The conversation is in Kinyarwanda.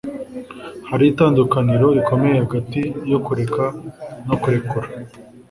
hariho itandukaniro rikomeye hagati yo kureka no kurekura